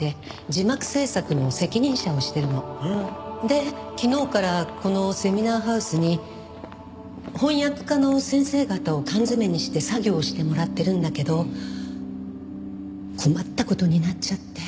で昨日からこのセミナーハウスに翻訳家の先生方を缶詰めにして作業をしてもらってるんだけど困った事になっちゃって。